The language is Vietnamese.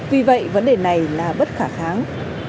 vì vậy vấn đề này là bất khả kháng